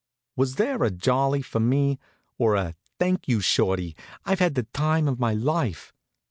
Was there a jolly for me, or a "Thank you, Shorty, I've had the time of my life?"